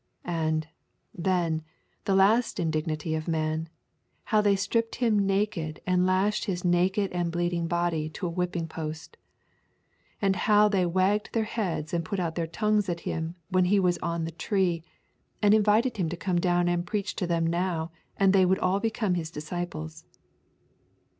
And, then, the last indignity of man, how they stripped Him naked and lashed His naked and bleeding body to a whipping post. And how they wagged their heads and put out their tongues at Him when He was on the tree, and invited Him to come down and preach to them now, and they would all become His disciples.